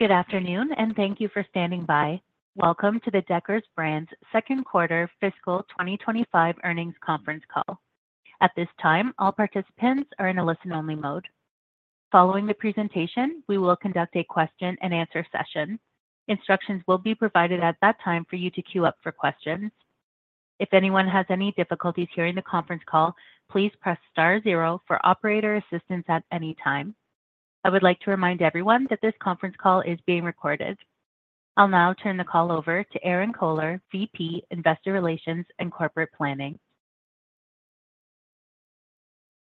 Good afternoon, and thank you for standing by. Welcome to the Deckers Brands second quarter fiscal twenty twenty-five earnings conference call. At this time, all participants are in a listen-only mode. Following the presentation, we will conduct a question-and-answer session. Instructions will be provided at that time for you to queue up for questions. If anyone has any difficulties hearing the conference call, please press star zero for operator assistance at any time. I would like to remind everyone that this conference call is being recorded. I'll now turn the call over to Erinn Kohler, VP, Investor Relations and Corporate Planning.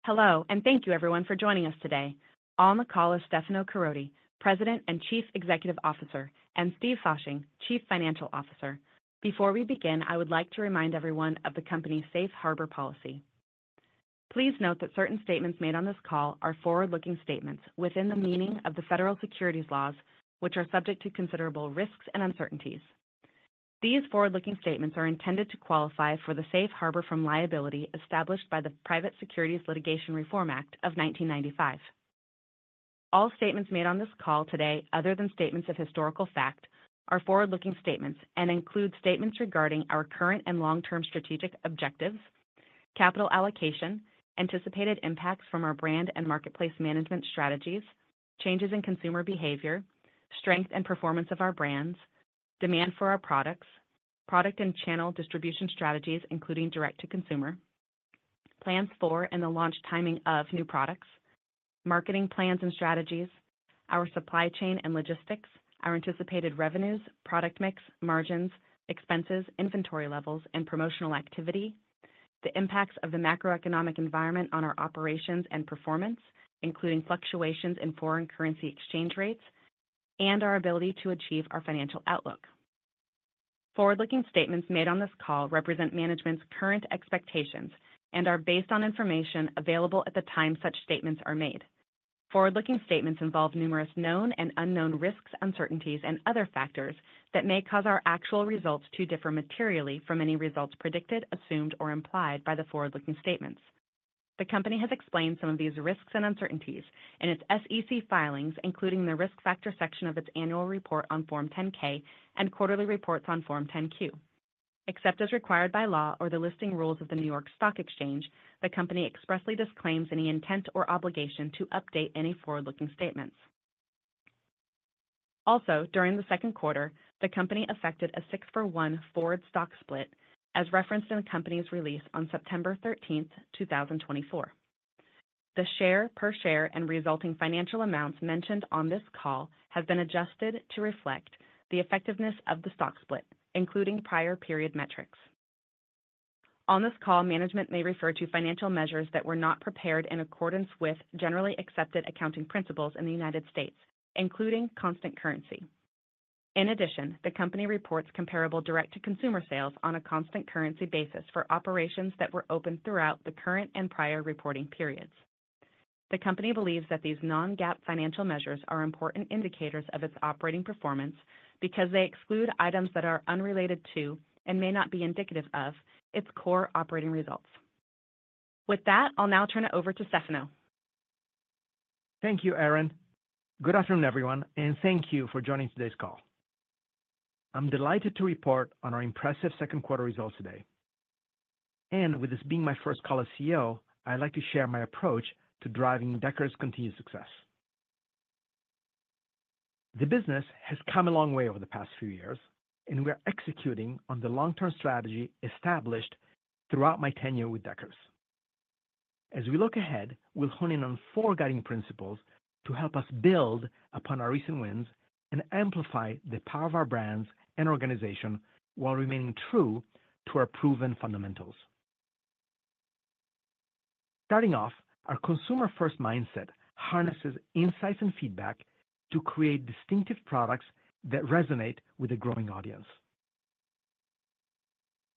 Hello, and thank you, everyone, for joining us today. On the call is Stefano Caroti, President and Chief Executive Officer, and Steve Fasching, Chief Financial Officer. Before we begin, I would like to remind everyone of the company's safe harbor policy. Please note that certain statements made on this call are forward-looking statements within the meaning of the federal securities laws, which are subject to considerable risks and uncertainties. These forward-looking statements are intended to qualify for the safe harbor from liability established by the Private Securities Litigation Reform Act of nineteen ninety-five. All statements made on this call today, other than statements of historical fact, are forward-looking statements and include statements regarding our current and long-term strategic objectives, capital allocation, anticipated impacts from our brand and marketplace management strategies, changes in consumer behavior, strength and performance of our brands, demand for our products, product and channel distribution strategies, including direct-to-consumer, plans for and the launch timing of new products, marketing plans and strategies, our supply chain and logistics, our anticipated revenues, product mix, margins, expenses, inventory levels, and promotional activity, the impacts of the macroeconomic environment on our operations and performance, including fluctuations in foreign currency exchange rates, and our ability to achieve our financial outlook. Forward-looking statements made on this call represent management's current expectations and are based on information available at the time such statements are made. Forward-looking statements involve numerous known and unknown risks, uncertainties, and other factors that may cause our actual results to differ materially from any results predicted, assumed, or implied by the forward-looking statements. The Company has explained some of these risks and uncertainties in its SEC filings, including the Risk Factor section of its annual report on Form 10-K and quarterly reports on Form 10-Q. Except as required by law or the listing rules of the New York Stock Exchange, the Company expressly disclaims any intent or obligation to update any forward-looking statements. Also, during the second quarter, the Company effected a six-for-one forward stock split, as referenced in the Company's release on September thirteenth, two thousand and twenty-four. The per share and resulting financial amounts mentioned on this call have been adjusted to reflect the effectiveness of the stock split, including prior period metrics. On this call, management may refer to financial measures that were not prepared in accordance with generally accepted accounting principles in the United States, including constant currency. In addition, the company reports comparable direct-to-consumer sales on a constant currency basis for operations that were open throughout the current and prior reporting periods. The company believes that these non-GAAP financial measures are important indicators of its operating performance because they exclude items that are unrelated to, and may not be indicative of, its core operating results. With that, I'll now turn it over to Stefano. Thank you, Erinn. Good afternoon, everyone, and thank you for joining today's call. I'm delighted to report on our impressive second quarter results today. With this being my first call as CEO, I'd like to share my approach to driving Deckers' continued success. The business has come a long way over the past few years, and we are executing on the long-term strategy established throughout my tenure with Deckers. As we look ahead, we'll hone in on four guiding principles to help us build upon our recent wins and amplify the power of our brands and organization while remaining true to our proven fundamentals. Starting off, our consumer-first mindset harnesses insights and feedback to create distinctive products that resonate with a growing audience.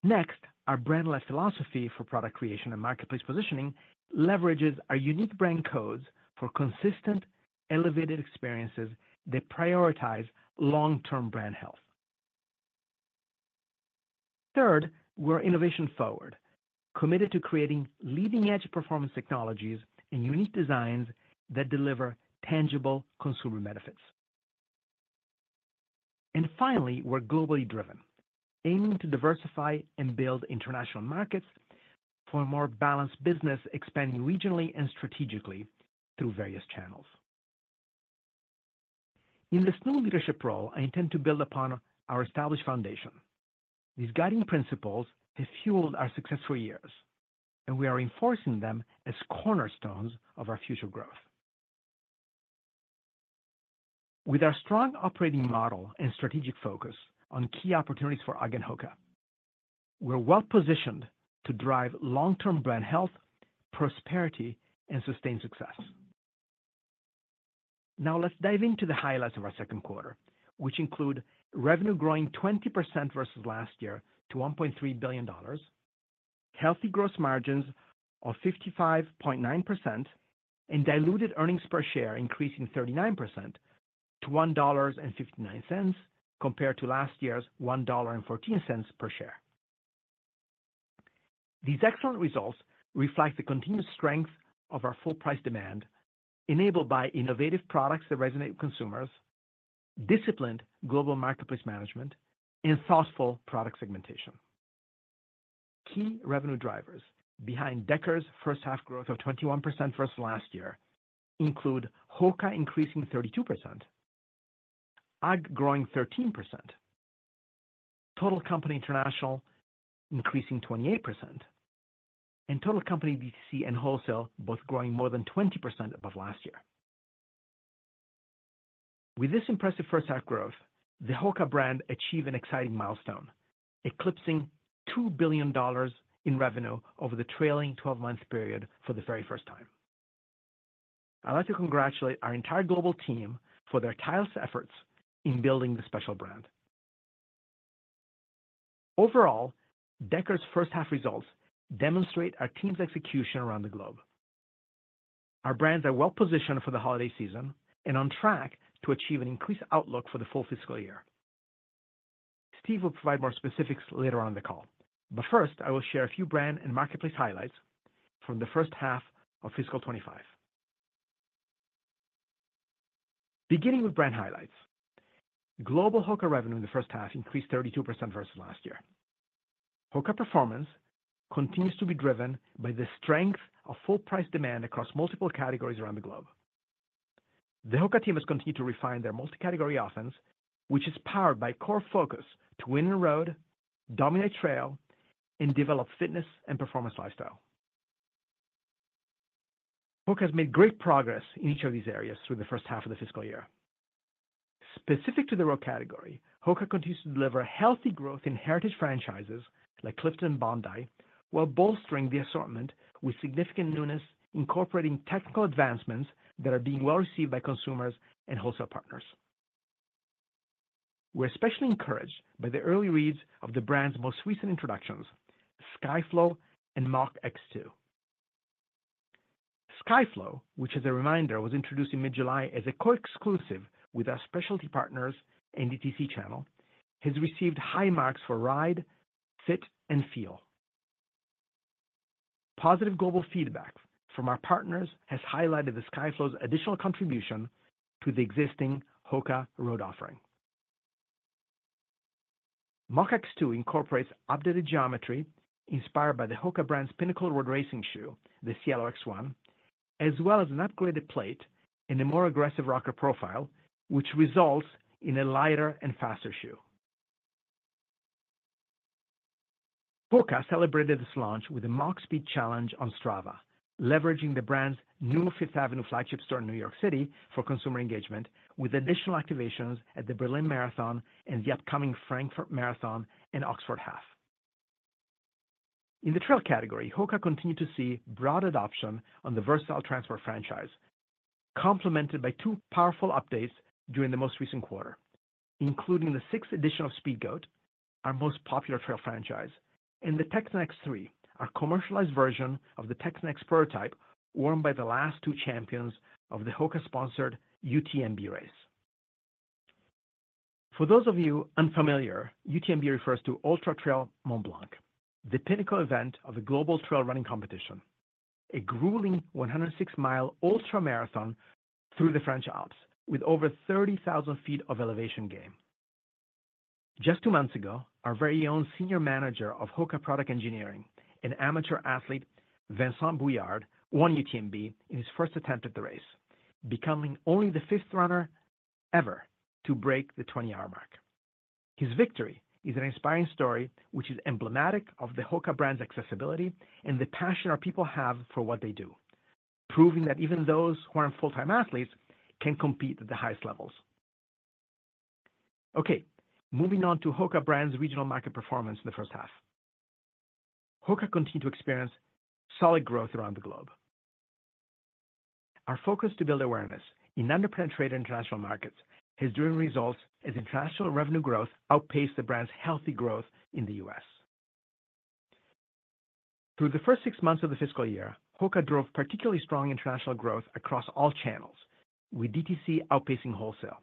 Next, our brandless philosophy for product creation and marketplace positioning leverages our unique brand codes for consistent, elevated experiences that prioritize long-term brand health. Third, we're innovation-forward, committed to creating leading-edge performance technologies and unique designs that deliver tangible consumer benefits. And finally, we're globally driven, aiming to diversify and build international markets for a more balanced business, expanding regionally and strategically through various channels. In this new leadership role, I intend to build upon our established foundation. These guiding principles have fueled our successful years, and we are enforcing them as cornerstones of our future growth. With our strong operating model and strategic focus on key opportunities for UGG and HOKA, we're well positioned to drive long-term brand health, prosperity, and sustained success. Now, let's dive into the highlights of our second quarter, which include revenue growing 20% versus last year to $1.3 billion, healthy gross margins of 55.9%, and diluted earnings per share increasing 39% to $1.59, compared to last year's $1.14 per share. These excellent results reflect the continuous strength of our full price demand, enabled by innovative products that resonate with consumers, disciplined global marketplace management, and thoughtful product segmentation. Key revenue drivers behind Deckers' first half growth of 21% versus last year include HOKA increasing 32%, UGG growing 13%, total Company International increasing 28%, and total company DTC and wholesale both growing more than 20% above last year. With this impressive first half growth, the HOKA brand achieved an exciting milestone, eclipsing $2 billion in revenue over the trailing twelve-month period for the very first time. I'd like to congratulate our entire global team for their tireless efforts in building this special brand. Overall, Deckers' first half results demonstrate our team's execution around the globe. Our brands are well-positioned for the holiday season and on track to achieve an increased outlook for the full fiscal year. Steve will provide more specifics later on in the call, but first, I will share a few brand and marketplace highlights from the first half of fiscal twenty-five. Beginning with brand highlights, global HOKA revenue in the first half increased 32% versus last year. HOKA performance continues to be driven by the strength of full-price demand across multiple categories around the globe. The HOKA team has continued to refine their multi-category offense, which is powered by a core focus to win the road, dominate trail, and develop fitness and performance lifestyle. HOKA has made great progress in each of these areas through the first half of the fiscal year. Specific to the road category, HOKA continues to deliver healthy growth in heritage franchises like Clifton and Bondi, while bolstering the assortment with significant newness, incorporating technical advancements that are being well-received by consumers and wholesale partners. We're especially encouraged by the early reads of the brand's most recent introductions, Skyflow and Mach X 2. Skyflow, which as a reminder, was introduced in mid-July as a co-exclusive with our specialty partners in DTC channel, has received high marks for ride, fit, and feel. Positive global feedback from our partners has highlighted the Skyflow's additional contribution to the existing HOKA road offering. Mach X 2 incorporates updated geometry inspired by the HOKA brand's pinnacle road racing shoe, the Cielo X1, as well as an upgraded plate and a more aggressive rocker profile, which results in a lighter and faster shoe. HOKA celebrated this launch with a Mach Speed Challenge on Strava, leveraging the brand's new Fifth Avenue flagship store in New York City for consumer engagement, with additional activations at the Berlin Marathon and the upcoming Frankfurt Marathon and Oxford Half. In the trail category, HOKA continued to see broad adoption on the versatile Transport franchise, complemented by two powerful updates during the most recent quarter, including the sixth edition of Speedgoat, our most popular trail franchise, and the Tecton X 3, our commercialized version of the Tecton X prototype, worn by the last two champions of the HOKA-sponsored UTMB race. For those of you unfamiliar, UTMB refers to Ultra-Trail du Mont-Blanc, the pinnacle event of the global trail running competition, a grueling one hundred and six-mile ultra-marathon through the French Alps with over thirty thousand feet of elevation gain. Just two months ago, our very own senior manager of HOKA Product Engineering and amateur athlete, Vincent Bouillard, won UTMB in his first attempt at the race, becoming only the fifth runner ever to break the twenty-hour mark. His victory is an inspiring story, which is emblematic of the HOKA brand's accessibility and the passion our people have for what they do, proving that even those who aren't full-time athletes can compete at the highest levels. Okay, moving on to HOKA brand's regional market performance in the first half. HOKA continued to experience solid growth around the globe. Our focus to build awareness in underpenetrated international markets is driving results as international revenue growth outpaced the brand's healthy growth in the U.S. Through the first six months of the fiscal year, HOKA drove particularly strong international growth across all channels, with DTC outpacing wholesale.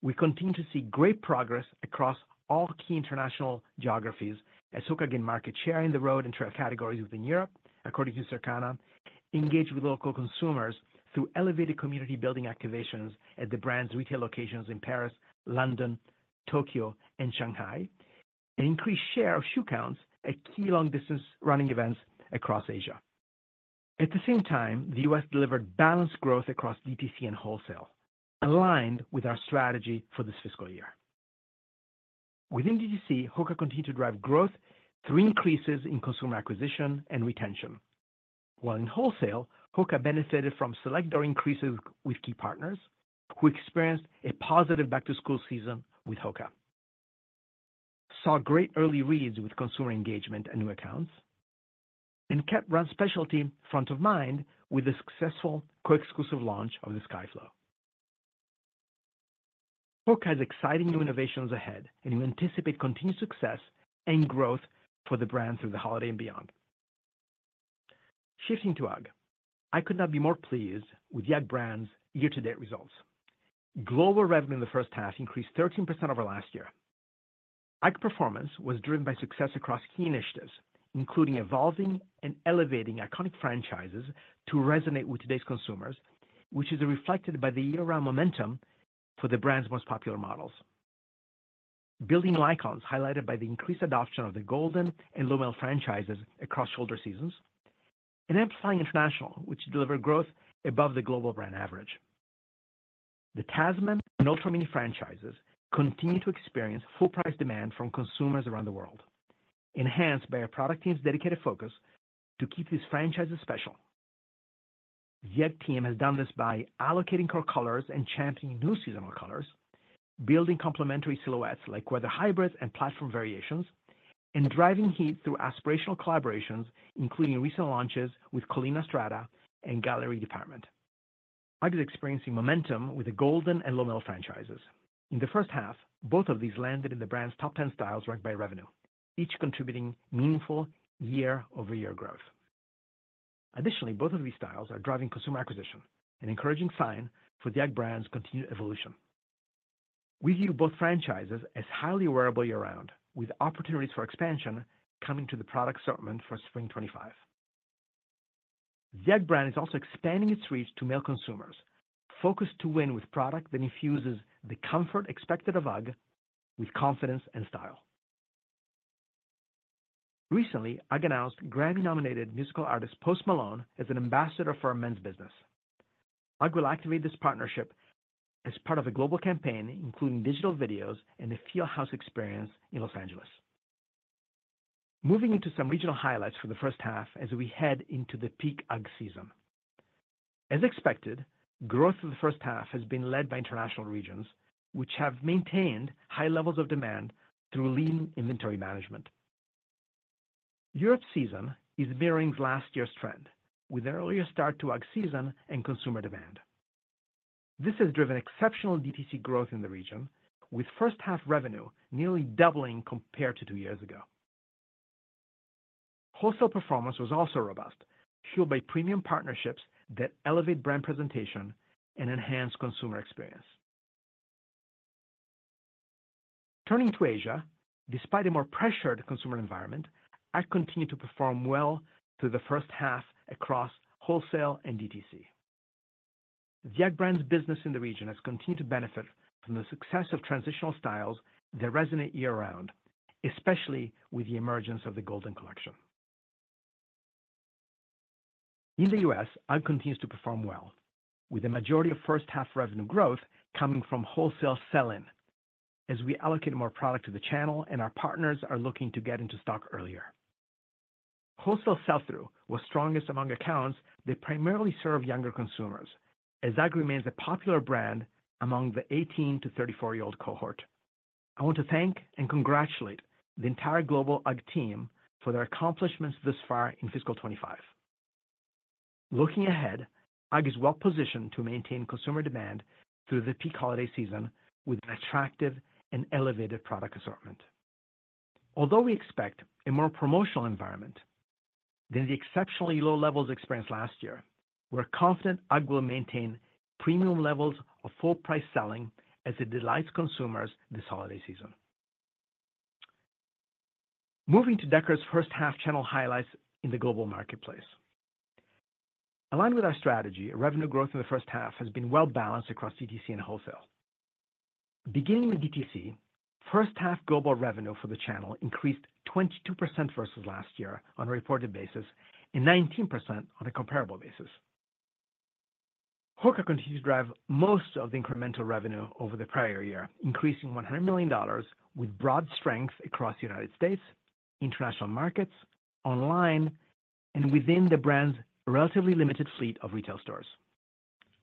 We continue to see great progress across all key international geographies as HOKA gained market share in the road and trail categories within Europe, according to Circana, engaged with local consumers through elevated community-building activations at the brand's retail locations in Paris, London, Tokyo, and Shanghai, and increased share of shoe counts at key long-distance running events across Asia. At the same time, the U.S. delivered balanced growth across DTC and wholesale, aligned with our strategy for this fiscal year. Within DTC, HOKA continued to drive growth through increases in consumer acquisition and retention, while in wholesale, HOKA benefited from select door increases with key partners who experienced a positive back-to-school season with HOKA, saw great early reads with consumer engagement and new accounts, and kept run specialty front of mind with the successful co-exclusive launch of the Skyflow. HOKA has exciting new innovations ahead, and we anticipate continued success and growth for the brand through the holiday and beyond. Shifting to UGG. I could not be more pleased with the UGG brand's year-to-date results. Global revenue in the first half increased 13% over last year. UGG performance was driven by success across key initiatives, including evolving and elevating iconic franchises to resonate with today's consumers, which is reflected by the year-round momentum for the brand's most popular models. Building new icons, highlighted by the increased adoption of the Golden and Lowmel franchises across shoulder seasons, and amplifying international, which delivered growth above the global brand average. The Tasman and Ultra Mini franchises continue to experience full price demand from consumers around the world, enhanced by our product team's dedicated focus to keep these franchises special. The UGG team has done this by allocating core colors and launching new seasonal colors, building complementary silhouettes like weather hybrids and platform variations, and driving heat through aspirational collaborations, including recent launches with Collina Strada and Gallery Dept. UGG is experiencing momentum with the Golden and Lowmel franchises. In the first half, both of these landed in the brand's top 10 styles ranked by revenue, each contributing meaningful year-over-year growth. Additionally, both of these styles are driving consumer acquisition, an encouraging sign for the UGG brand's continued evolution. We view both franchises as highly wearable year-round, with opportunities for expansion coming to the product assortment for spring 2025. The UGG brand is also expanding its reach to male consumers, focused to win with product that infuses the comfort expected of UGG with confidence and style. Recently, UGG announced Grammy-nominated musical artist Post Malone as an ambassador for our men's business. UGG will activate this partnership as part of a global campaign, including digital videos and a Feel House experience in Los Angeles. Moving into some regional highlights for the first half as we head into the peak UGG season. As expected, growth in the first half has been led by international regions, which have maintained high levels of demand through lean inventory management. Europe season is mirroring last year's trend, with an earlier start to UGG season and consumer demand. This has driven exceptional DTC growth in the region, with first half revenue nearly doubling compared to two years ago. Wholesale performance was also robust, fueled by premium partnerships that elevate brand presentation and enhance consumer experience. Turning to Asia, despite a more pressured consumer environment, UGG continued to perform well through the first half across wholesale and DTC. The UGG brand's business in the region has continued to benefit from the success of transitional styles that resonate year-round, especially with the emergence of the Golden Collection. In the U.S., UGG continues to perform well, with the majority of first half revenue growth coming from wholesale sell-in, as we allocate more product to the channel and our partners are looking to get into stock earlier. Wholesale sell-through was strongest among accounts that primarily serve younger consumers, as UGG remains a popular brand among the eighteen to thirty-four-year-old cohort. I want to thank and congratulate the entire global UGG team for their accomplishments thus far in fiscal twenty-five. Looking ahead, UGG is well positioned to maintain consumer demand through the peak holiday season with an attractive and elevated product assortment. Although we expect a more promotional environment than the exceptionally low levels experienced last year, whereas UGG will maintain premium levels of full price selling as it delights consumers this holiday season. Moving to Deckers' first half channel highlights in the global marketplace. Aligned with our strategy, our revenue growth in the first half has been well balanced across DTC and wholesale. Beginning with DTC, first half global revenue for the channel increased 22% versus last year on a reported basis, and 19% on a comparable basis. HOKA continues to drive most of the incremental revenue over the prior year, increasing $100 million with broad strength across the United States, international markets, online, and within the brand's relatively limited fleet of retail stores.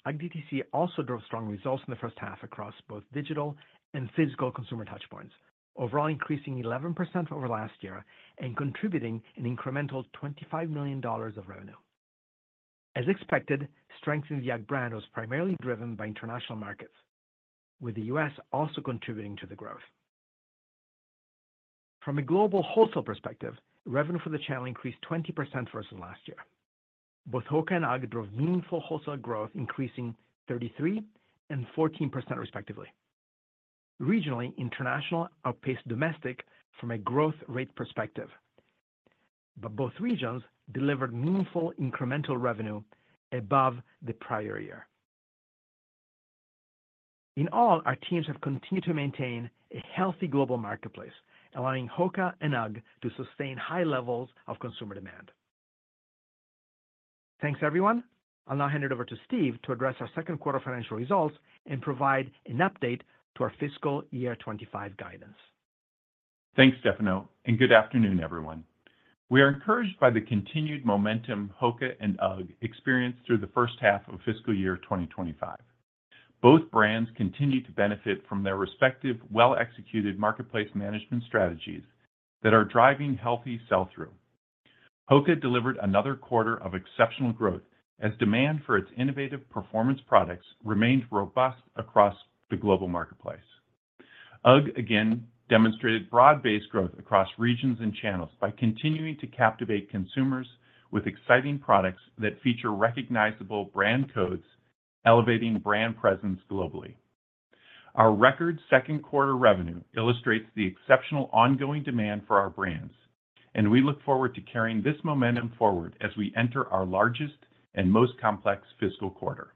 UGG DTC also drove strong results in the first half across both digital and physical consumer touch points, overall increasing 11% over last year and contributing an incremental $25 million of revenue. As expected, strength in the UGG brand was primarily driven by international markets, with the U.S. also contributing to the growth. From a global wholesale perspective, revenue for the channel increased 20% versus last year. Both HOKA and UGG drove meaningful wholesale growth, increasing 33% and 14% respectively. Regionally, international outpaced domestic from a growth rate perspective, but both regions delivered meaningful incremental revenue above the prior year. In all, our teams have continued to maintain a healthy global marketplace, allowing HOKA and UGG to sustain high levels of consumer demand. Thanks, everyone. I'll now hand it over to Steve to address our second quarter financial results and provide an update to our fiscal year twenty-five guidance. Thanks, Stefano, and good afternoon, everyone. We are encouraged by the continued momentum HOKA and UGG experienced through the first half of fiscal year twenty twenty-five. Both brands continued to benefit from their respective well-executed marketplace management strategies that are driving healthy sell-through. HOKA delivered another quarter of exceptional growth as demand for its innovative performance products remained robust across the global marketplace. UGG again demonstrated broad-based growth across regions and channels by continuing to captivate consumers with exciting products that feature recognizable brand codes, elevating brand presence globally. Our record second quarter revenue illustrates the exceptional ongoing demand for our brands, and we look forward to carrying this momentum forward as we enter our largest and most complex fiscal quarter.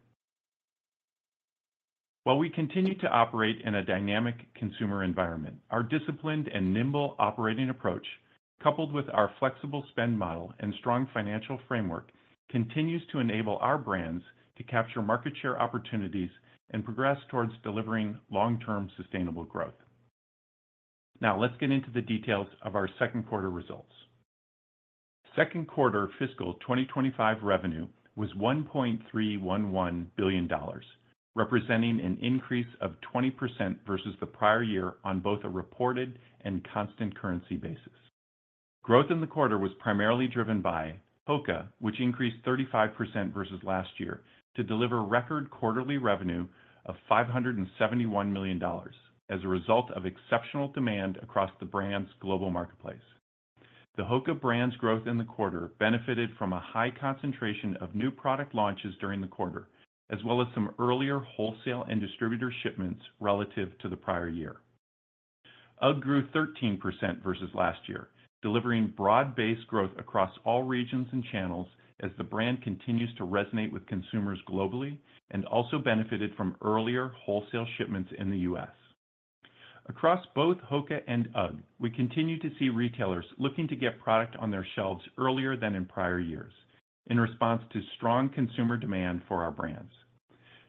While we continue to operate in a dynamic consumer environment, our disciplined and nimble operating approach, coupled with our flexible spend model and strong financial framework, continues to enable our brands to capture market share opportunities and progress towards delivering long-term sustainable growth. Now, let's get into the details of our second quarter results. Second quarter fiscal 2025 revenue was $1.311 billion, representing an increase of 20% versus the prior year on both a reported and constant currency basis. Growth in the quarter was primarily driven by HOKA, which increased 35% versus last year to deliver record quarterly revenue of $571 million as a result of exceptional demand across the brand's global marketplace. The HOKA brand's growth in the quarter benefited from a high concentration of new product launches during the quarter, as well as some earlier wholesale and distributor shipments relative to the prior year. UGG grew 13% versus last year, delivering broad-based growth across all regions and channels as the brand continues to resonate with consumers globally and also benefited from earlier wholesale shipments in the U.S. Across both HOKA and UGG, we continue to see retailers looking to get product on their shelves earlier than in prior years in response to strong consumer demand for our brands.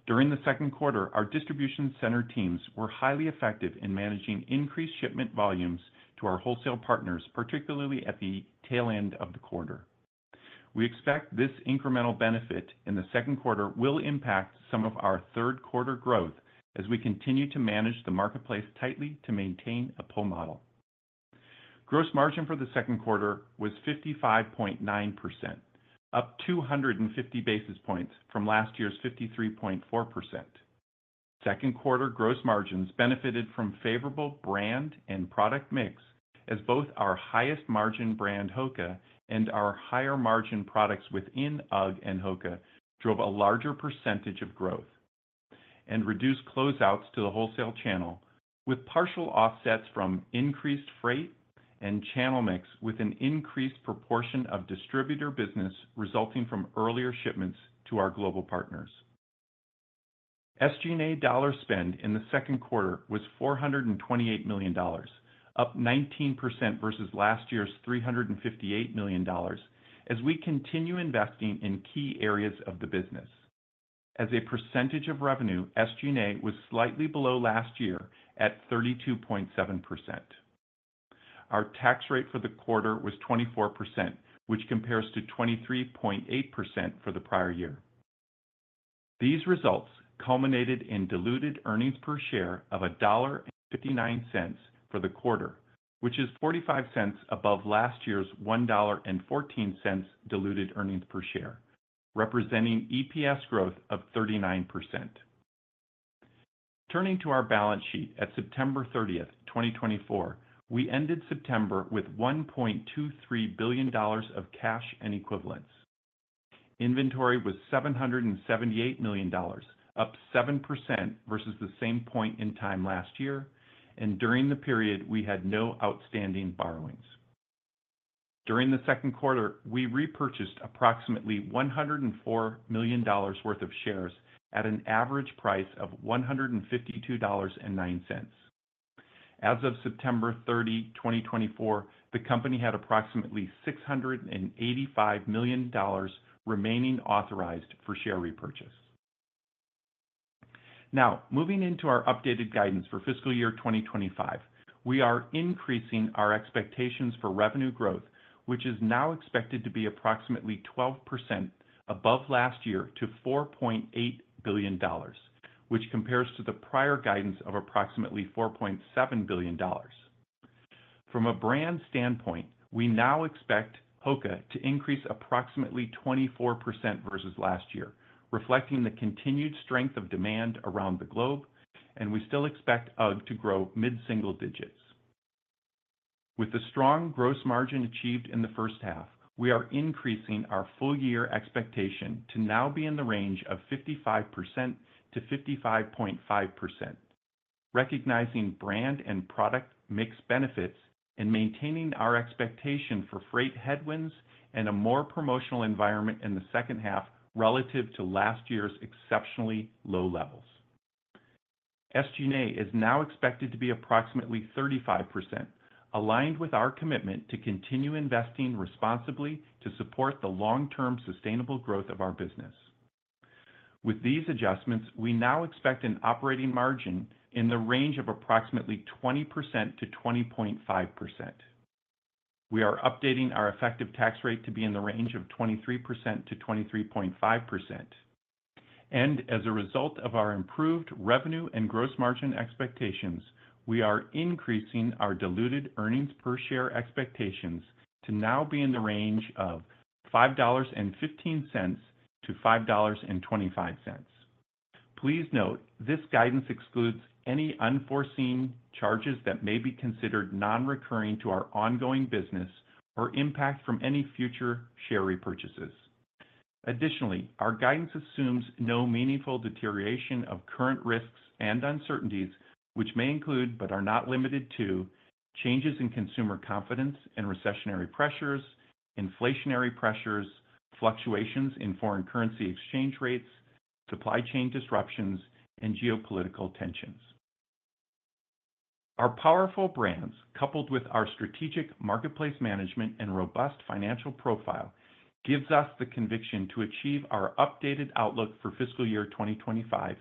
During the second quarter, our distribution center teams were highly effective in managing increased shipment volumes to our wholesale partners, particularly at the tail end of the quarter. We expect this incremental benefit in the second quarter will impact some of our third quarter growth as we continue to manage the marketplace tightly to maintain a pull model. Gross margin for the second quarter was 55.9%, up 250 basis points from last year's 53.4%. Second quarter gross margins benefited from favorable brand and product mix as both our highest margin brand, HOKA, and our higher-margin products within UGG and HOKA drove a larger percentage of growth and reduced closeouts to the wholesale channel, with partial offsets from increased freight and channel mix, with an increased proportion of distributor business resulting from earlier shipments to our global partners. SG&A dollar spend in the second quarter was $428 million, up 19% versus last year's $358 million as we continue investing in key areas of the business. As a percentage of revenue, SG&A was slightly below last year at 32.7%. Our tax rate for the quarter was 24%, which compares to 23.8% for the prior year. These results culminated in diluted earnings per share of $1.59 for the quarter, which is $0.45 above last year's $1.14 diluted earnings per share, representing EPS growth of 39%. Turning to our balance sheet at September 30, 2024, we ended September with $1.23 billion of cash and equivalents. Inventory was $778 million, up 7% versus the same point in time last year, and during the period, we had no outstanding borrowings. During the second quarter, we repurchased approximately $104 million worth of shares at an average price of $152.09. As of September 30, 2024, the company had approximately $685 million remaining authorized for share repurchase. Now, moving into our updated guidance for fiscal year 2025. We are increasing our expectations for revenue growth, which is now expected to be approximately 12% above last year to $4.8 billion, which compares to the prior guidance of approximately $4.7 billion. From a brand standpoint, we now expect HOKA to increase approximately 24% versus last year, reflecting the continued strength of demand around the globe, and we still expect UGG to grow mid-single digits. With the strong gross margin achieved in the first half, we are increasing our full year expectation to now be in the range of 55%-55.5%, recognizing brand and product mix benefits and maintaining our expectation for freight headwinds and a more promotional environment in the second half relative to last year's exceptionally low levels. SG&A is now expected to be approximately 35%, aligned with our commitment to continue investing responsibly to support the long-term sustainable growth of our business. With these adjustments, we now expect an operating margin in the range of approximately 20%-20.5%. We are updating our effective tax rate to be in the range of 23%-23.5%. And as a result of our improved revenue and gross margin expectations, we are increasing our diluted earnings per share expectations to now be in the range of $5.15-$5.25. Please note, this guidance excludes any unforeseen charges that may be considered non-recurring to our ongoing business or impact from any future share repurchases. Additionally, our guidance assumes no meaningful deterioration of current risks and uncertainties, which may include, but are not limited to, changes in consumer confidence and recessionary pressures, inflationary pressures, fluctuations in foreign currency exchange rates, supply chain disruptions, and geopolitical tensions. Our powerful brands, coupled with our strategic marketplace management and robust financial profile, gives us the conviction to achieve our updated outlook for fiscal year 2025,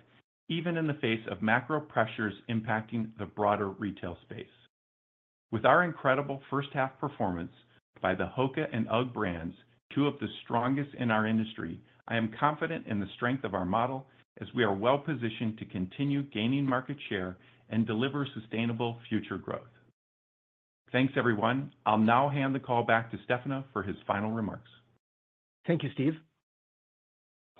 even in the face of macro pressures impacting the broader retail space. With our incredible first half performance by the HOKA and UGG brands, two of the strongest in our industry, I am confident in the strength of our model as we are well positioned to continue gaining market share and deliver sustainable future growth. Thanks, everyone. I'll now hand the call back to Stefano for his final remarks. Thank you, Steve.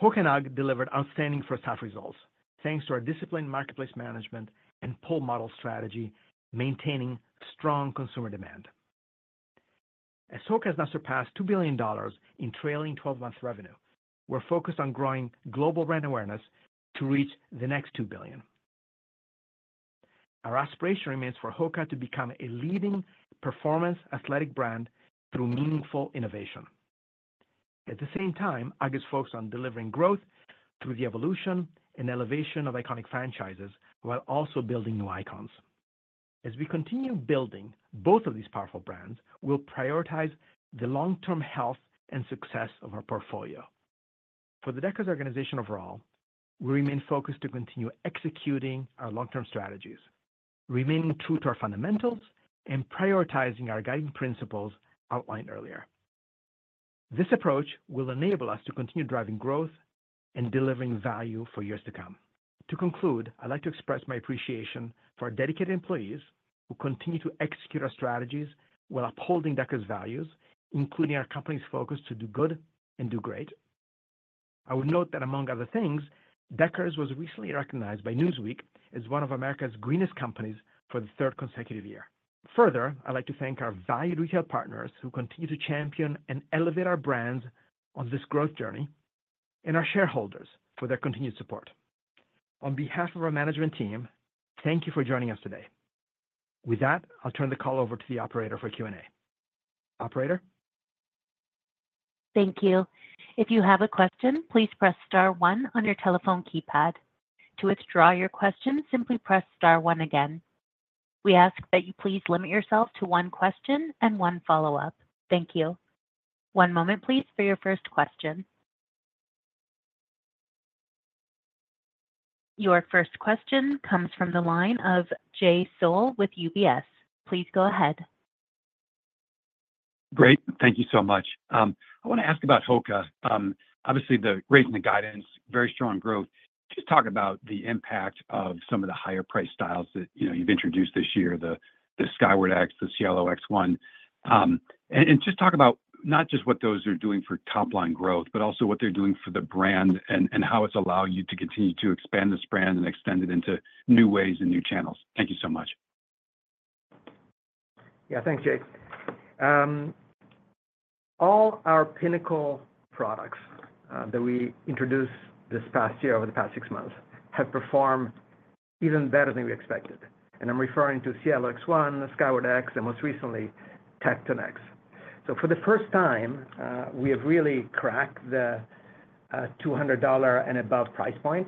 HOKA and UGG delivered outstanding first half results, thanks to our disciplined marketplace management and pull model strategy, maintaining strong consumer demand. As HOKA has now surpassed $2 billion in trailing twelve months revenue, we're focused on growing global brand awareness to reach the next $2 billion. Our aspiration remains for HOKA to become a leading performance athletic brand through meaningful innovation. At the same time, UGG is focused on delivering growth through the evolution and elevation of iconic franchises, while also building new icons. As we continue building both of these powerful brands, we'll prioritize the long-term health and success of our portfolio. For the Deckers organization overall, we remain focused to continue executing our long-term strategies, remaining true to our fundamentals, and prioritizing our guiding principles outlined earlier. This approach will enable us to continue driving growth and delivering value for years to come. To conclude, I'd like to express my appreciation for our dedicated employees, who continue to execute our strategies while upholding Deckers' values, including our company's focus to do good and do great. I would note that, among other things, Deckers was recently recognized by Newsweek as one of America's Greenest Companies for the third consecutive year. Further, I'd like to thank our valued retail partners, who continue to champion and elevate our brands on this growth journey, and our shareholders for their continued support. On behalf of our management team, thank you for joining us today. With that, I'll turn the call over to the operator for Q&A. Operator? Thank you. If you have a question, please press star one on your telephone keypad. To withdraw your question, simply press star one again. We ask that you please limit yourself to one question and one follow-up. Thank you. One moment, please, for your first question. Your first question comes from the line of Jay Sole with UBS. Please go ahead. Great. Thank you so much. I want to ask about HOKA. Obviously, the raising the guidance, very strong growth. Just talk about the impact of some of the higher priced styles that, you know, you've introduced this year, the Skyward X, the Cielo X1. And just talk about not just what those are doing for top-line growth, but also what they're doing for the brand and how it's allowing you to continue to expand this brand and extend it into new ways and new channels. Thank you so much. Yeah. Thanks, Jay. All our pinnacle products that we introduced this past year, over the past six months, have performed even better than we expected. And I'm referring to Cielo X1, the Skyward X, and most recently, Tecton X. So for the first time, we have really cracked the $200 and above price point.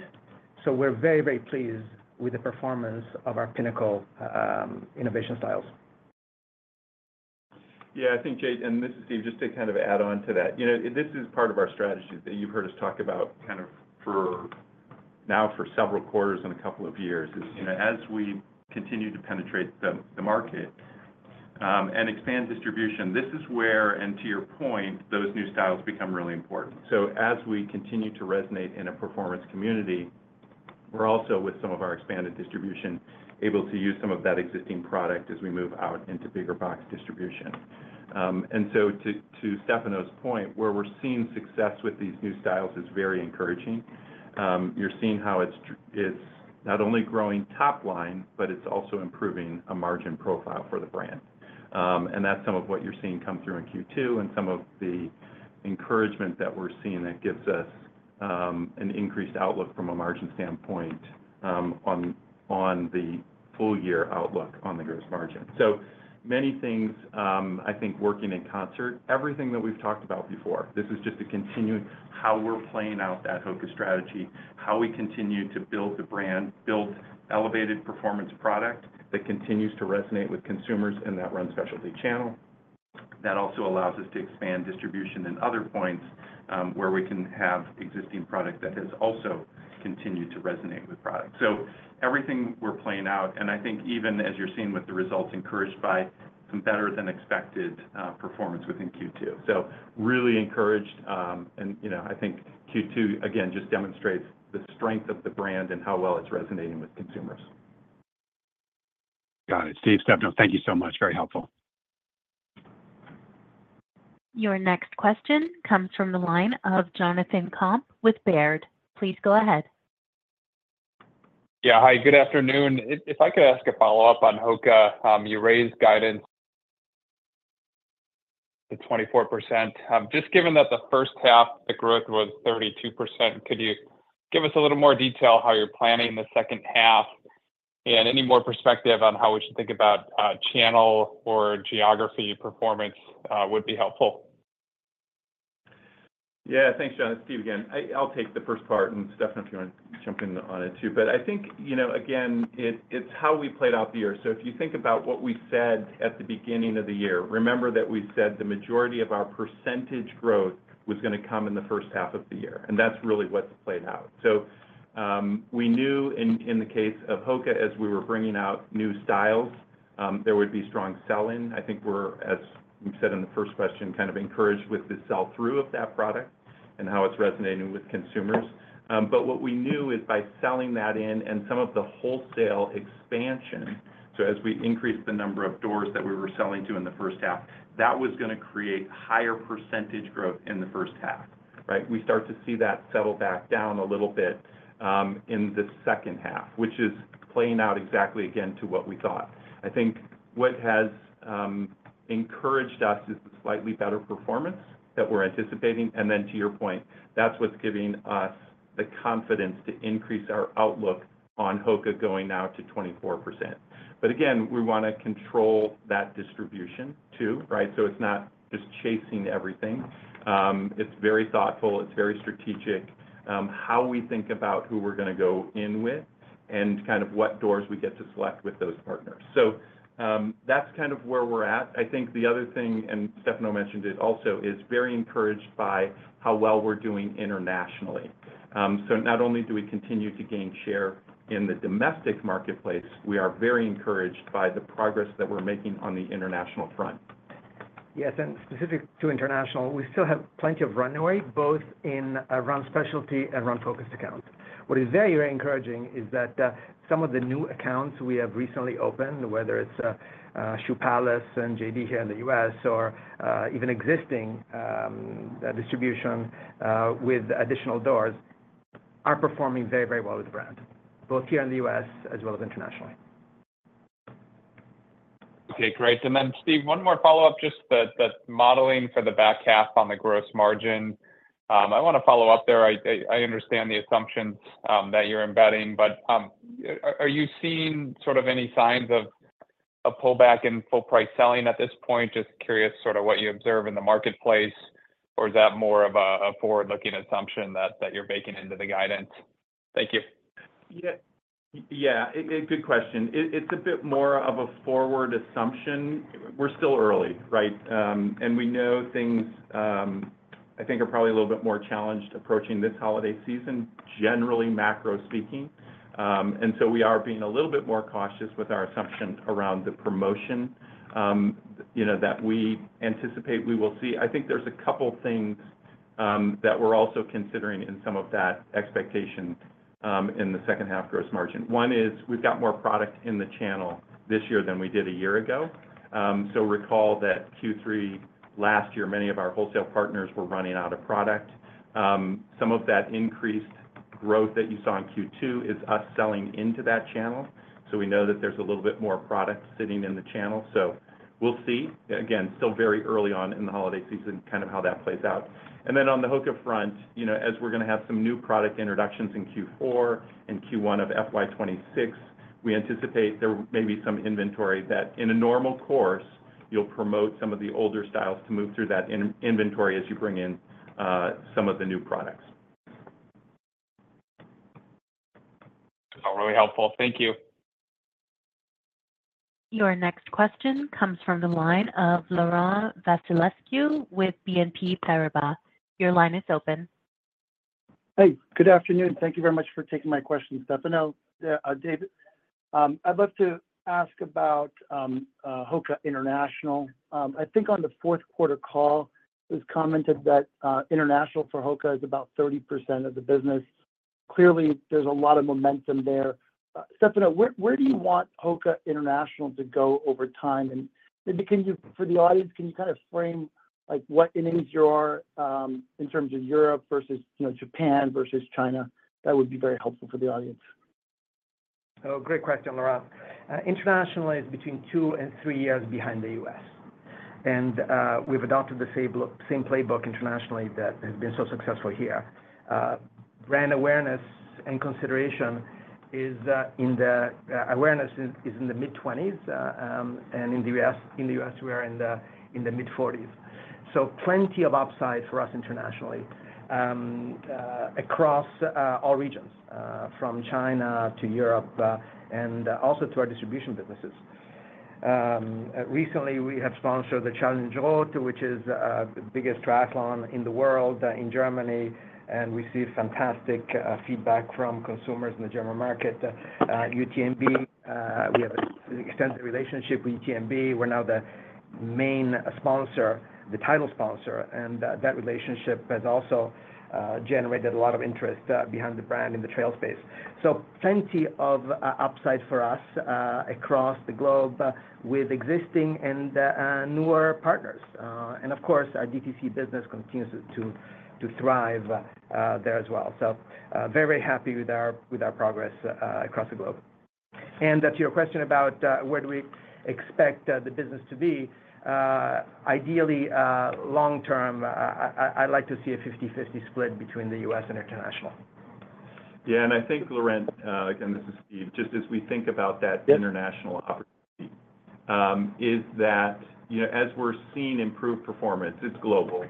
So we're very, very pleased with the performance of our pinnacle innovation styles. Yeah, I think, Jay, and this is Steve, just to kind of add on to that. You know, this is part of our strategy that you've heard us talk about kind of for now for several quarters and a couple of years. Is, you know, as we continue to penetrate the market and expand distribution, this is where, and to your point, those new styles become really important. So as we continue to resonate in a performance community, we're also, with some of our expanded distribution, able to use some of that existing product as we move out into bigger box distribution. And so to Stefano's point, where we're seeing success with these new styles is very encouraging. You're seeing how it's not only growing top line, but it's also improving a margin profile for the brand. And that's some of what you're seeing come through in Q2 and some of the encouragement that we're seeing that gives us an increased outlook from a margin standpoint on the full year outlook on the gross margin. So many things I think working in concert. Everything that we've talked about before, this is just a continuance how we're playing out that HOKA strategy, how we continue to build the brand, build elevated performance product that continues to resonate with consumers and that run specialty channel. That also allows us to expand distribution in other points where we can have existing product that has also continued to resonate with products. So everything we're playing out, and I think even as you're seeing with the results, encouraged by some better than expected performance within Q2. So really encouraged, you know, I think Q2, again, just demonstrates the strength of the brand and how well it's resonating with consumers. Got it. Steve, Stefano, thank you so much. Very helpful. Your next question comes from the line of Jonathan Komp with Baird. Please go ahead. Yeah. Hi, good afternoon. If I could ask a follow-up on HOKA. You raised guidance to 24%. Just given that the first half, the growth was 32%, could you give us a little more detail how you're planning the second half? And any more perspective on how we should think about channel or geography performance would be helpful. Yeah. Thanks, Jon. It's Steve again. I'll take the first part, and Stefano, if you want to jump in on it, too. But I think, you know, again, it's how we played out the year. So if you think about what we said at the beginning of the year, remember that we said the majority of our percentage growth was gonna come in the first half of the year, and that's really what's played out. So we knew in the case of HOKA, as we were bringing out new styles, there would be strong sell-in. I think we're, as you said in the first question, kind of encouraged with the sell-through of that product and how it's resonating with consumers. But what we knew is by selling that in and some of the wholesale expansion, so as we increased the number of doors that we were selling to in the first half, that was gonna create higher percentage growth in the first half, right? We start to see that settle back down a little bit in the second half, which is playing out exactly again to what we thought. I think what has encouraged us is the slightly better performance that we're anticipating, and then to your point, that's what's giving us the confidence to increase our outlook on HOKA going now to 24%. But again, we wanna control that distribution too, right? So it's not just chasing everything. It's very thoughtful, it's very strategic, how we think about who we're gonna go in with and kind of what doors we get to select with those partners. So, that's kind of where we're at. I think the other thing, and Stefano mentioned it also, is very encouraged by how well we're doing internationally. So not only do we continue to gain share in the domestic marketplace, we are very encouraged by the progress that we're making on the international front. Yes, and specific to international, we still have plenty of runway, both in, around specialty and run-focused accounts. What is very, very encouraging is that, some of the new accounts we have recently opened, whether it's, Shoe Palace and JD here in the U.S. or, even existing, distribution, with additional doors, are performing very, very well with the brand, both here in the U.S. as well as internationally. Okay, great. And then, Steve, one more follow-up, just the modeling for the back half on the gross margin. I wanna follow up there. I understand the assumptions that you're embedding, but are you seeing sort of any signs of a pullback in full price selling at this point? Just curious sort of what you observe in the marketplace, or is that more of a forward-looking assumption that you're baking into the guidance? Thank you. Yeah. Yeah, a good question. It's a bit more of a forward assumption. We're still early, right? And we know things. I think are probably a little bit more challenged approaching this holiday season, generally, macro speaking. And so we are being a little bit more cautious with our assumptions around the promotion, you know, that we anticipate we will see. I think there's a couple things that we're also considering in some of that expectation in the second half gross margin. One is we've got more product in the channel this year than we did a year ago. So recall that Q3 last year, many of our wholesale partners were running out of product. Some of that increased growth that you saw in Q2 is us selling into that channel, so we know that there's a little bit more product sitting in the channel. So we'll see. Again, still very early on in the holiday season, kind of how that plays out. And then on the HOKA front, you know, as we're gonna have some new product introductions in Q4 and Q1 of FY 2026, we anticipate there may be some inventory that, in a normal course, you'll promote some of the older styles to move through that inventory as you bring in some of the new products. Oh, really helpful. Thank you. Your next question comes from the line of Laurent Vasilescu with BNP Paribas. Your line is open. Hey, good afternoon. Thank you very much for taking my question, Stefano. I'd love to ask about HOKA International. I think on the fourth quarter call, it was commented that international for HOKA is about 30% of the business. Clearly, there's a lot of momentum there. Stefano, where do you want HOKA International to go over time? And can you--for the audience, can you kind of frame, like, what it is you are in terms of Europe versus, you know, Japan versus China? That would be very helpful for the audience. Oh, great question, Laurent. Internationally, it's between two and three years behind the U.S. And we've adopted the same playbook internationally that has been so successful here. Brand awareness and consideration is in the mid-twenties, and in the U.S., we are in the mid-forties. So plenty of upside for us internationally across all regions, from China to Europe, and also to our distribution businesses. Recently, we have sponsored the Challenge Roth, which is the biggest triathlon in the world, in Germany, and we see fantastic feedback from consumers in the German market. UTMB, we have an extensive relationship with UTMB. We're now the-... main sponsor, the title sponsor, and that relationship has also generated a lot of interest behind the brand in the trail space. So plenty of upside for us across the globe with existing and newer partners. And of course, our DTC business continues to thrive there as well. So very happy with our progress across the globe. And to your question about where do we expect the business to be ideally long term, I'd like to see a fifty/fifty split between the U.S. and international. Yeah, and I think, Laurent, again, this is Steve. Just as we think about that- Yep The international opportunity, you know, as we're seeing improved performance, it's global.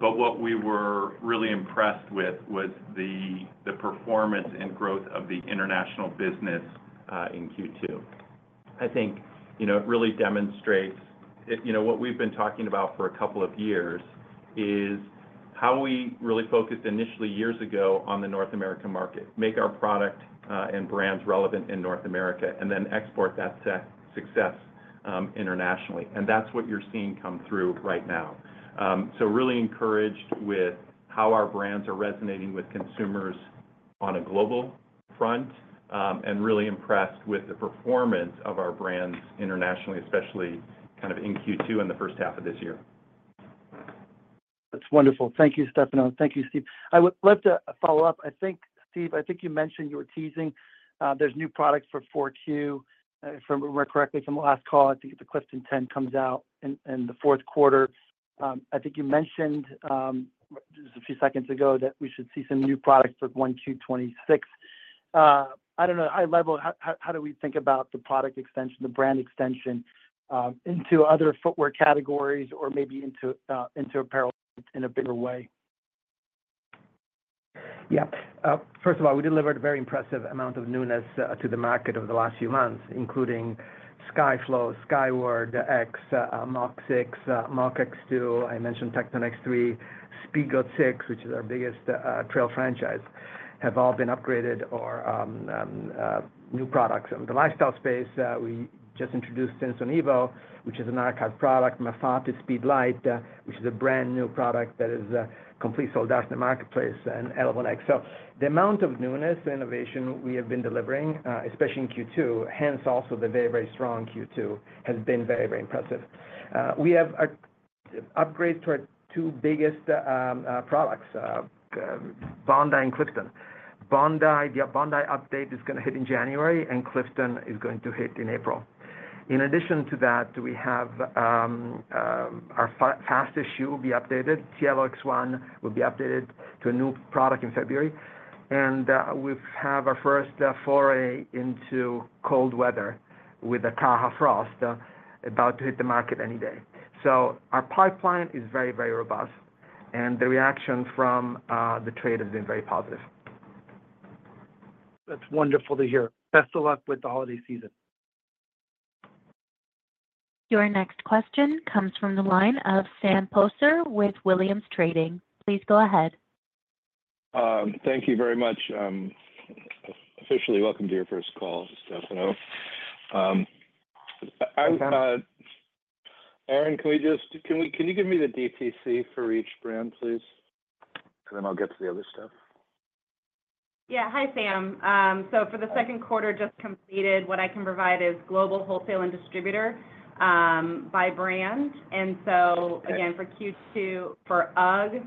But what we were really impressed with was the performance and growth of the international business in Q2. I think, you know, it really demonstrates, you know, what we've been talking about for a couple of years is how we really focused initially, years ago, on the North American market. Make our product and brands relevant in North America, and then export that success internationally. And that's what you're seeing come through right now. So really encouraged with how our brands are resonating with consumers on a global front and really impressed with the performance of our brands internationally, especially kind of in Q2 and the first half of this year. That's wonderful. Thank you, Stefano. Thank you, Steve. I would love to follow up. I think, Steve, I think you mentioned you were teasing, there's new products for 4Q. If I remember correctly from the last call, I think the Clifton Ten comes out in the fourth quarter. I don't know, high level, how do we think about the product extension, the brand extension, into other footwear categories or maybe into into apparel in a bigger way? Yeah. First of all, we delivered a very impressive amount of newness to the market over the last few months, including Skyflow, Skyward X, Mach 6, Mach X 2. I mentioned Tecton X 3, Speedgoat 6, which is our biggest trail franchise, have all been upgraded or new products. In the lifestyle space, we just introduced Stinson Evo, which is an archive product, Mafate Speed Lite, which is a brand-new product that is completely sold out in the marketplace, and Elevon X. So the amount of newness and innovation we have been delivering, especially in Q2, hence also the very, very strong Q2, has been very, very impressive. We have an upgrade to our two biggest products, Bondi and Clifton. Bondi, the Bondi update is gonna hit in January, and Clifton is going to hit in April. In addition to that, we have our fastest shoe will be updated. Cielo X1 will be updated to a new product in February, and we have our first foray into cold weather with the Kaha Frost about to hit the market any day. So our pipeline is very, very robust, and the reaction from the trade has been very positive. That's wonderful to hear. Best of luck with the holiday season. Your next question comes from the line of Sam Poser with Williams Trading. Please go ahead. Thank you very much. Officially, welcome to your first call, Stefano. I've. Erinn, can you give me the DTC for each brand, please? And then I'll get to the other stuff. Yeah. Hi, Sam. So for the second quarter just completed, what I can provide is global wholesale and DTC, by brand. Okay. And so again, for Q2, for UGG,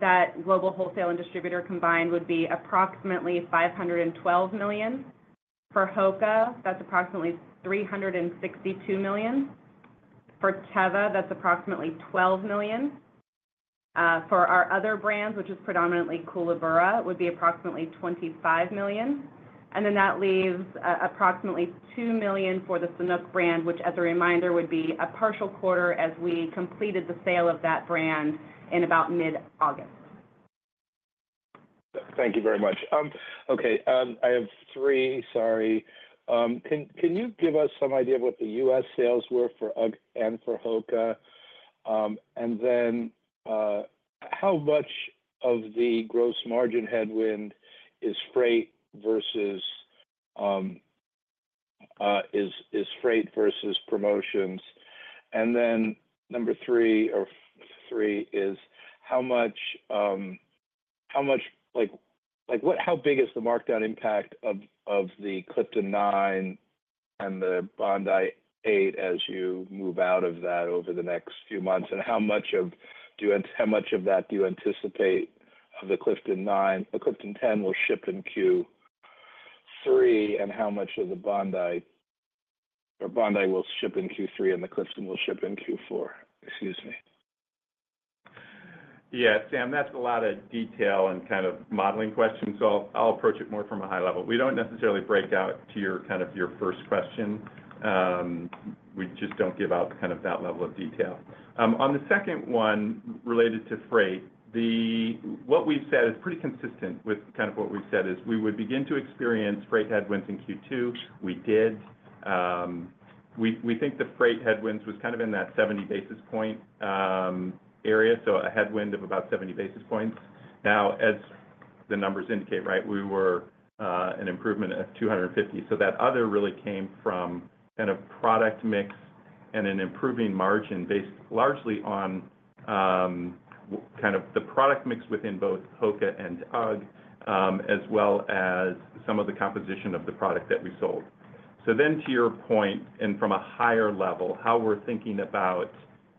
that global wholesale and distributor combined would be approximately $512 million. For HOKA, that's approximately $362 million. For Teva, that's approximately $12 million. For our other brands, which is predominantly Koolaburra, would be approximately $25 million. And then that leaves approximately $2 million for the Sanuk brand, which, as a reminder, would be a partial quarter as we completed the sale of that brand in about mid-August. Thank you very much. Okay, I have three, sorry. Can you give us some idea of what the U.S. sales were for UGG and for HOKA? And then, how much of the gross margin headwind is freight versus promotions? And then number three is: how big is the markdown impact of the Clifton 9 and the Bondi 8 as you move out of that over the next few months? And how much of that do you anticipate the Clifton 10 will ship in Q3, and how much of the Bondi will ship in Q3 and the Clifton will ship in Q4? Excuse me. Yeah, Sam, that's a lot of detail and kind of modeling questions, so I'll approach it more from a high level. We don't necessarily break out to your kind of your first question. We just don't give out kind of that level of detail. On the second one, related to freight, what we've said is pretty consistent with kind of what we've said, is we would begin to experience freight headwinds in Q2. We did. We think the freight headwinds was kind of in that 70 basis points area, so a headwind of about 70 basis points. Now, the numbers indicate, right? We were an improvement of 250. So that other really came from kind of product mix and an improving margin based largely on, kind of the product mix within both HOKA and UGG, as well as some of the composition of the product that we sold. So then to your point, and from a higher level, how we're thinking about,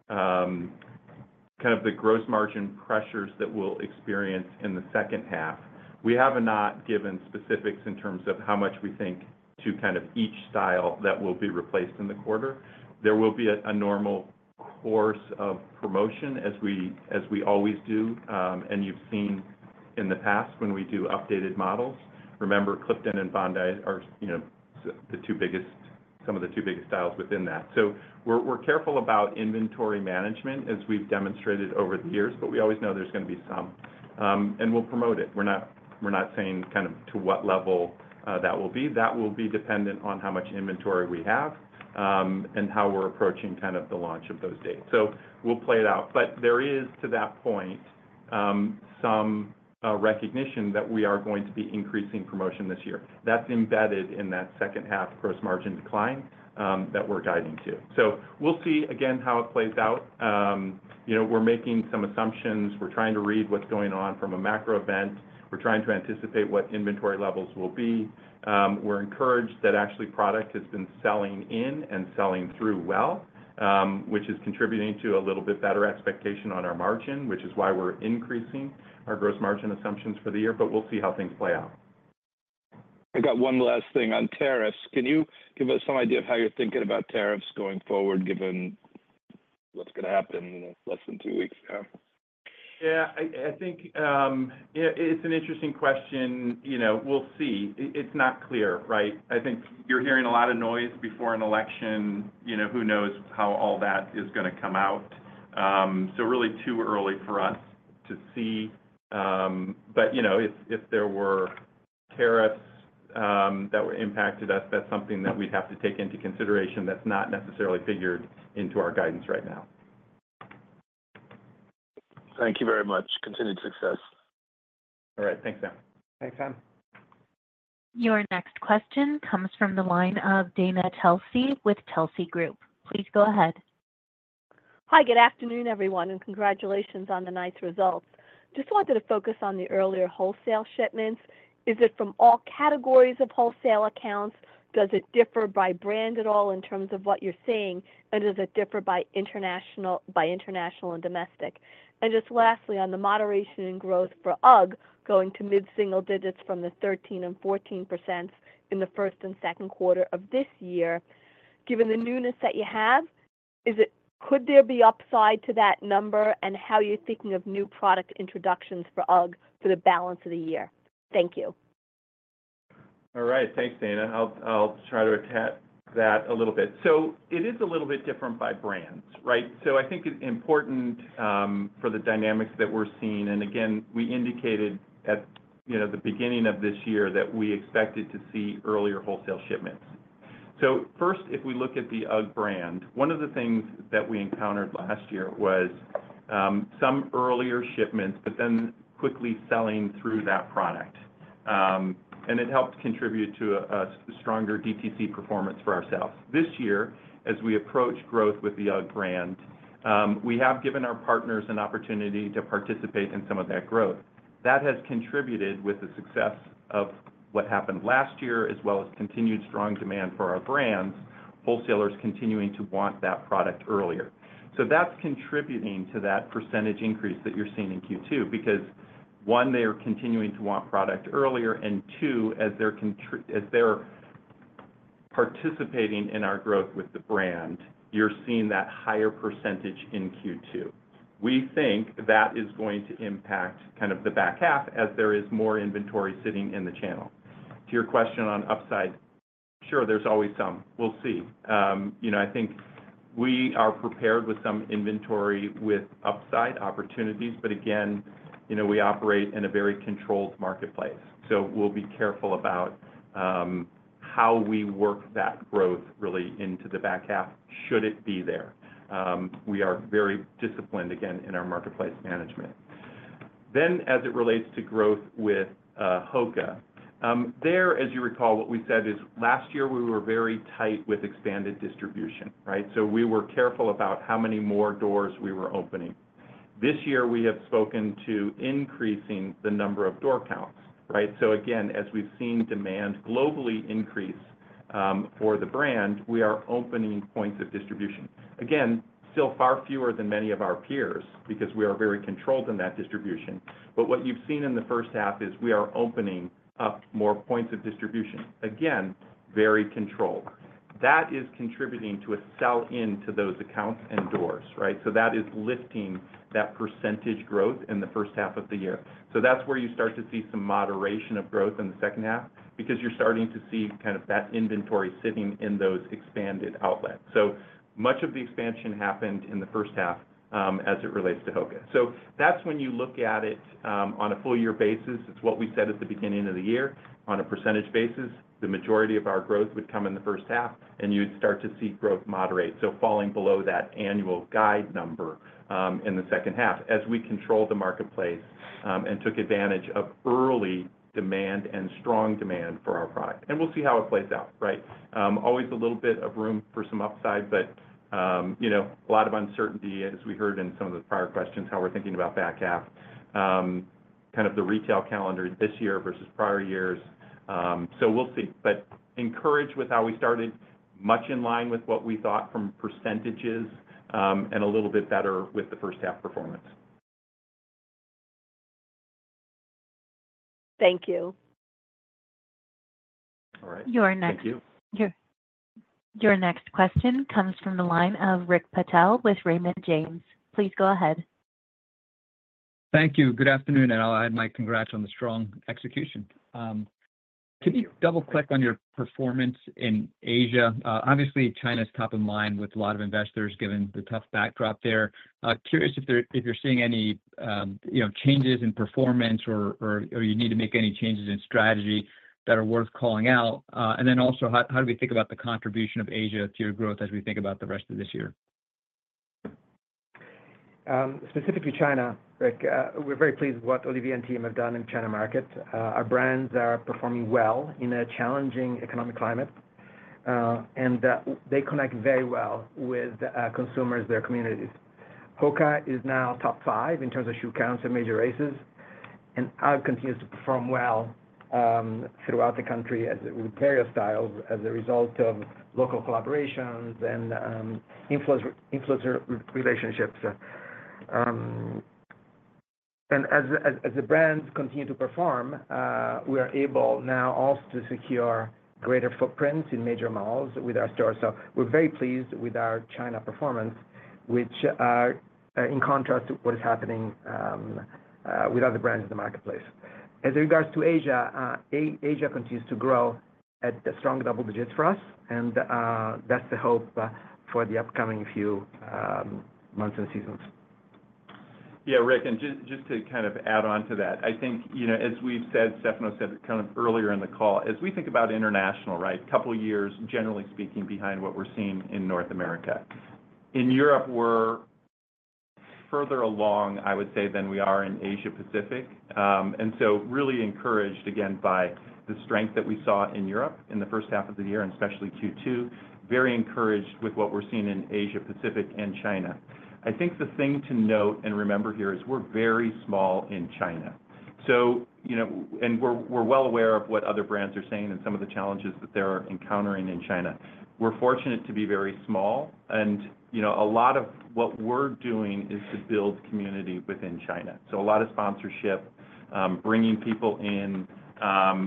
kind of the gross margin pressures that we'll experience in the second half. We have not given specifics in terms of how much we think to kind of each style that will be replaced in the quarter. There will be a normal course of promotion as we always do, and you've seen in the past when we do updated models. Remember, Clifton and Bondi are, you know, the two biggest- some of the two biggest styles within that. So we're careful about inventory management as we've demonstrated over the years, but we always know there's going to be some, and we'll promote it. We're not saying kind of to what level that will be. That will be dependent on how much inventory we have, and how we're approaching kind of the launch of those dates. So we'll play it out. But there is, to that point, some recognition that we are going to be increasing promotion this year. That's embedded in that second half gross margin decline that we're guiding to. So we'll see, again, how it plays out. You know, we're making some assumptions. We're trying to read what's going on from a macro event. We're trying to anticipate what inventory levels will be. We're encouraged that actually product has been selling in and selling through well, which is contributing to a little bit better expectation on our margin, which is why we're increasing our gross margin assumptions for the year, but we'll see how things play out. I got one last thing on tariffs. Can you give us some idea of how you're thinking about tariffs going forward, given what's going to happen in less than two weeks now? Yeah, I think it's an interesting question. You know, we'll see. It's not clear, right? I think you're hearing a lot of noise before an election. You know, who knows how all that is going to come out? So really too early for us to see. But you know, if there were tariffs that would impacted us, that's something that we'd have to take into consideration that's not necessarily figured into our guidance right now. Thank you very much. Continued success. All right. Thanks, Sam. Thanks, Sam. Your next question comes from the line of Dana Telsey with Telsey Group. Please go ahead. Hi, good afternoon, everyone, and congratulations on the nice results. Just wanted to focus on the earlier wholesale shipments. Is it from all categories of wholesale accounts? Does it differ by brand at all in terms of what you're seeing? And does it differ by international, by international and domestic? And just lastly, on the moderation in growth for UGG, going to mid-single digits from the 13% and 14% in the first and second quarter of this year, given the newness that you have, could there be upside to that number, and how you're thinking of new product introductions for UGG for the balance of the year? Thank you. All right. Thanks, Dana. I'll try to attack that a little bit. So it is a little bit different by brands, right? So I think it's important for the dynamics that we're seeing, and again, we indicated at, you know, the beginning of this year that we expected to see earlier wholesale shipments. So first, if we look at the UGG brand, one of the things that we encountered last year was some earlier shipments, but then quickly selling through that product. And it helped contribute to a stronger DTC performance for ourselves. This year, as we approach growth with the UGG brand, we have given our partners an opportunity to participate in some of that growth. That has contributed with the success of what happened last year, as well as continued strong demand for our brands, wholesalers continuing to want that product earlier. So that's contributing to that percentage increase that you're seeing in Q2, because, one, they are continuing to want product earlier, and two, as they're participating in our growth with the brand, you're seeing that higher percentage in Q2. We think that is going to impact kind of the back half as there is more inventory sitting in the channel. To your question on upside, sure, there's always some. We'll see. You know, I think we are prepared with some inventory with upside opportunities, but again, you know, we operate in a very controlled marketplace. So we'll be careful about how we work that growth really into the back half, should it be there. We are very disciplined, again, in our marketplace management. Then as it relates to growth with HOKA. There, as you recall, what we said is last year, we were very tight with expanded distribution, right? So we were careful about how many more doors we were opening. This year, we have spoken to increasing the number of door counts, right? So again, as we've seen demand globally increase, for the brand, we are opening points of distribution. Again, still far fewer than many of our peers because we are very controlled in that distribution. But what you've seen in the first half is we are opening up more points of distribution. Again, very controlled. That is contributing to a sell-in to those accounts and doors, right? So that is lifting that percentage growth in the first half of the year. So that's where you start to see some moderation of growth in the second half, because you're starting to see kind of that inventory sitting in those expanded outlets. So much of the expansion happened in the first half, as it relates to HOKA. So that's when you look at it, on a full year basis. It's what we said at the beginning of the year. On a percentage basis, the majority of our growth would come in the first half, and you'd start to see growth moderate. So falling below that annual guide number, in the second half, as we control the marketplace, and took advantage of early demand and strong demand for our product. And we'll see how it plays out, right? Always a little bit of room for some upside, but you know, a lot of uncertainty, as we heard in some of the prior questions, how we're thinking about back half. Kind of the retail calendar this year versus prior years, so we'll see. Encouraged with how we started, much in line with what we thought from percentages, and a little bit better with the first half performance. Thank you. All right. Thank you. Your next question comes from the line of Rick Patel with Raymond James. Please go ahead. Thank you. Good afternoon, and I'll add my congrats on the strong execution. Can you double-click on your performance in Asia? Obviously, China's top of mind with a lot of investors, given the tough backdrop there. Curious if you're seeing any, you know, changes in performance or you need to make any changes in strategy that are worth calling out? And then also, how do we think about the contribution of Asia to your growth as we think about the rest of this year? Specifically China, Rick, we're very pleased with what Olivia and team have done in China market. Our brands are performing well in a challenging economic climate, and they connect very well with consumers, their communities. HOKA is now top five in terms of shoe counts in major races, and UGG continues to perform well throughout the country as with their style, as a result of local collaborations and influencer relationships. And as the brands continue to perform, we are able now also to secure greater footprints in major malls with our stores. So we're very pleased with our China performance, which are in contrast to what is happening with other brands in the marketplace. As regards to Asia, Asia continues to grow at strong double digits for us, and that's the hope for the upcoming few months and seasons. Yeah, Rick, and just to kind of add on to that, I think, you know, as we've said, Stefano said it kind of earlier in the call, as we think about international, right? Couple years, generally speaking, behind what we're seeing in North America. In Europe, we're further along, I would say, than we are in Asia Pacific. And so really encouraged, again, by the strength that we saw in Europe in the first half of the year, and especially Q2. Very encouraged with what we're seeing in Asia Pacific and China. I think the thing to note and remember here is we're very small in China, so, you know, and we're, we're well aware of what other brands are saying and some of the challenges that they're encountering in China. We're fortunate to be very small and, you know, a lot of what we're doing is to build community within China, so a lot of sponsorship, bringing people in,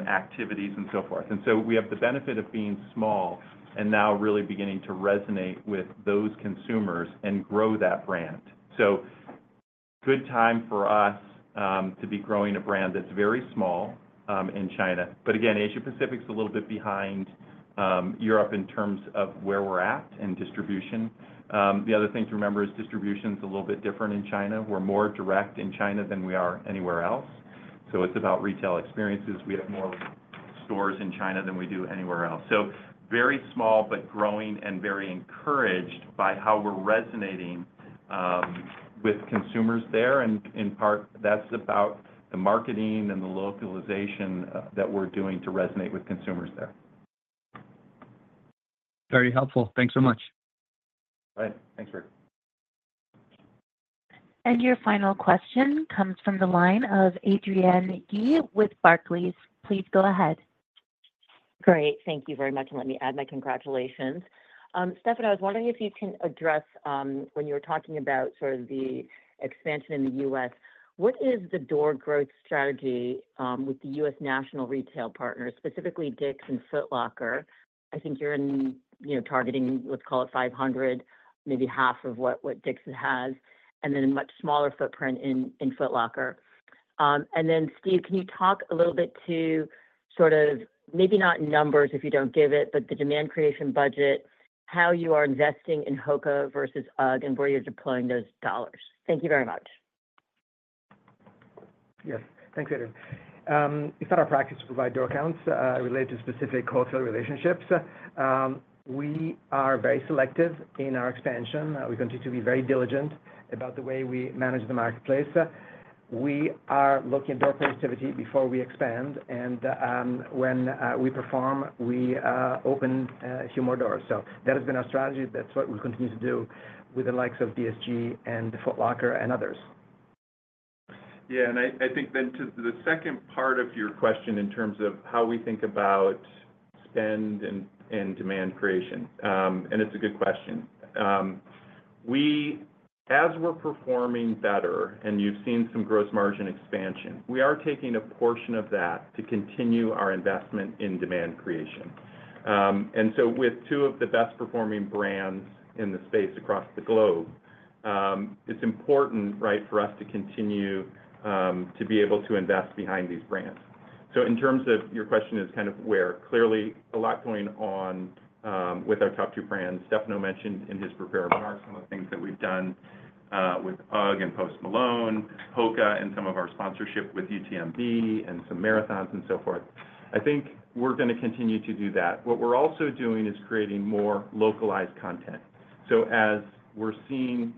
activities and so forth, and so we have the benefit of being small and now really beginning to resonate with those consumers and grow that brand, so good time for us to be growing a brand that's very small in China, but again, Asia Pacific is a little bit behind Europe in terms of where we're at in distribution. The other thing to remember is distribution is a little bit different in China. We're more direct in China than we are anywhere else, so it's about retail experiences. We have more stores in China than we do anywhere else, so very small, but growing and very encouraged by how we're resonating with consumers there. And in part, that's about the marketing and the localization that we're doing to resonate with consumers there. Very helpful. Thanks so much. Bye. Thanks, Rick. And your final question comes from the line of Adrienne Yih with Barclays. Please go ahead. Great. Thank you very much, and let me add my congratulations. Stefano, I was wondering if you can address, when you were talking about sort of the expansion in the U.S., what is the door growth strategy, with the U.S. national retail partners, specifically Dick's and Foot Locker? I think you're in, you know, targeting, let's call it 500, maybe half of what Dick's has, and then a much smaller footprint in Foot Locker. And then, Steve, can you talk a little bit to sort of, maybe not numbers, if you don't give it, but the demand creation budget, how you are investing in HOKA versus UGG, and where you're deploying those dollars? Thank you very much. Yes. Thanks, Adrienne. It's not our practice to provide door counts related to specific wholesale relationships. We are very selective in our expansion. We continue to be very diligent about the way we manage the marketplace. We are looking at door productivity before we expand, and when we perform, we open a few more doors. So that has been our strategy. That's what we continue to do with the likes of DSG and Foot Locker and others. Yeah, and I think then to the second part of your question in terms of how we think about spend and demand creation, and it's a good question. We, as we're performing better and you've seen some gross margin expansion, are taking a portion of that to continue our investment in demand creation. And so with two of the best-performing brands in the space across the globe, it's important, right? For us to continue to be able to invest behind these brands. So in terms of your question, is kind of where clearly a lot going on with our top two brands. Stefano mentioned in his prepared remarks some of the things that we've done with UGG and Post Malone, HOKA, and some of our sponsorship with UTMB and some marathons and so forth. I think we're gonna continue to do that. What we're also doing is creating more localized content. So as we're seeing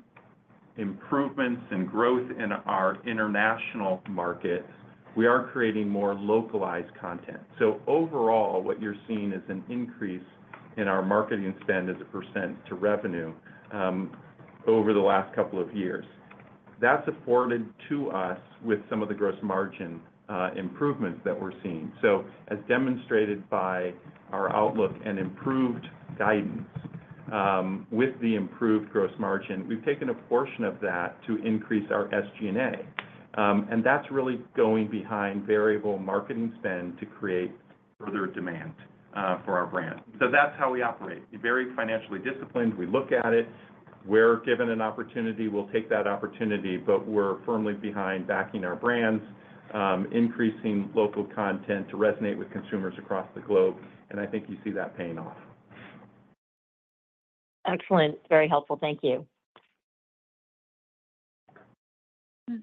improvements and growth in our international markets, we are creating more localized content. So overall, what you're seeing is an increase in our marketing spend as a percent to revenue, over the last couple of years. That's afforded to us with some of the gross margin, improvements that we're seeing. So, as demonstrated by our outlook and improved guidance, with the improved gross margin, we've taken a portion of that to increase our SG&A. And that's really going behind variable marketing spend to create further demand, for our brand. So that's how we operate, very financially disciplined. We look at it, we're given an opportunity, we'll take that opportunity, but we're firmly behind backing our brands, increasing local content to resonate with consumers across the globe, and I think you see that paying off. Excellent. Very helpful. Thank you.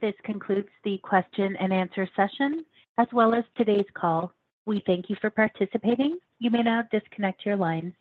This concludes the question and answer session, as well as today's call. We thank you for participating. You may now disconnect your line.